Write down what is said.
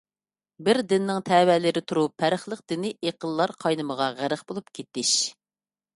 بىر دىننىڭ تەۋەلىرى تۇرۇپ پەرقلىق دىنىي ئېقىنلار قاينىمىغا غەرق بولۇپ كېتىش.